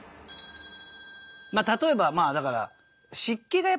まあ例えばまあだから。